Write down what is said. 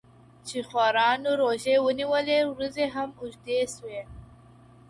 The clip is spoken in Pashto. چي خوارانو روژې و نيولې، ورځي هم اوږدې سوې.